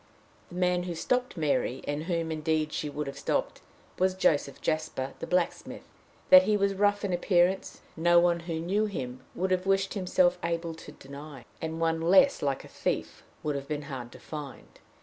The man who stopped Mary, and whom, indeed, she would have stopped, was Joseph Jasper, the blacksmith. That he was rough in appearance, no one who knew him would have wished himself able to deny, and one less like a thief would have been hard to find.